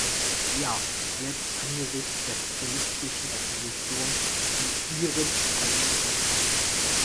Ja, selbst angesichts der populistischen Opposition in Ihren eigenen Parteien.